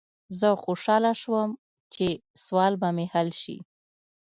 زه خوشحاله شوم چې سوال به مې حل شي.